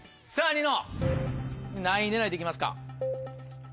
ニノ何位狙いで行きますか？